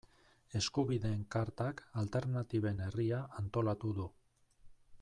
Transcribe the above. Eskubideen Kartak Alternatiben Herria antolatu du.